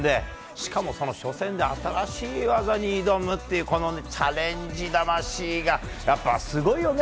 しかも、その初戦で新しい技に挑むというチャレンジ魂がやっぱ素晴らしいよね。